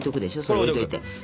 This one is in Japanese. それ置いといて。